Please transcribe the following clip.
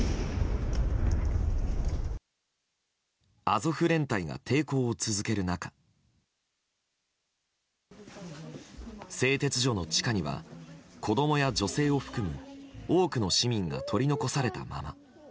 アゾフ連隊が抵抗を続ける中製鉄所の地下には子供や女性を含む多くの市民が取り残されたまま。